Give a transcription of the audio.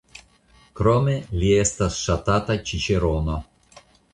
Krome li estas ŝatata ĉiĉerono.